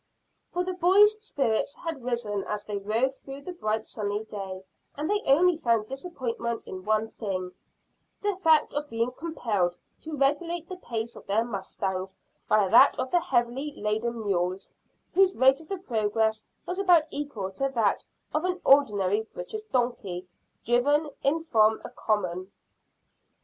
For the boys' spirits had risen as they rode through the bright sunny day, and they only found disappointment in one thing the fact of being compelled to regulate the pace of their mustangs by that of the heavily laden mules, whose rate of progress was about equal to that of an ordinary British donkey driven in from a common.